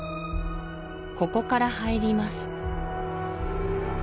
ここから入ります